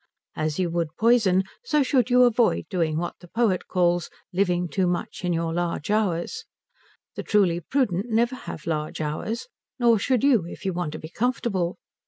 As you would poison, so should you avoid doing what the poet calls living too much in your large hours. The truly prudent never have large hours; nor should you, if you want to be comfortable.